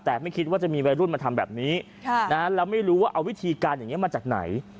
แต่ไม่คิดว่าจะมีวัยรุ่นมาทำแบบนี้แล้วไม่รู้ว่าเอาวิธีการอย่างนี้มาจากไหน